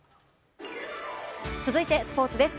続いて、スポーツです。